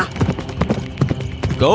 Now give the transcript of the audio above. kau sama seperti ayahmu